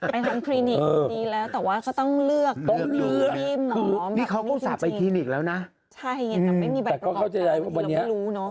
ไปทั้งทรีนิกดูดีแล้วแต่ว่าเขาต้องเลือก